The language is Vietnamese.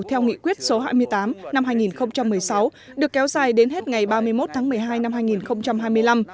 theo nghị quyết số hai mươi tám năm hai nghìn một mươi sáu được kéo dài đến hết ngày ba mươi một tháng một mươi hai năm hai nghìn hai mươi năm